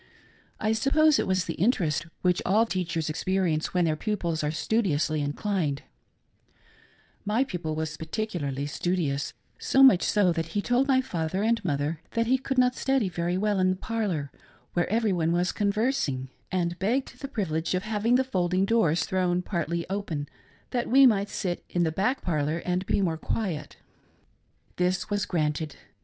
I sup pose it was the interest which all teachers experience when their pupils are studiously inclined; My pupil was particu larly studious — so much so that he told my father and mdther that he could not study very well in the parlor where every one was conversing, and begged the privilege of having thfe folding doors thrown partly open, that we* might sit in the back parlor and be more quiet. This was granted.